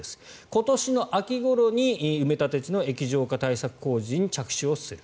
今年の秋ごろに埋め立て地の液状化対策工事に着手する。